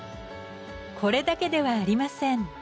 これだけではありません。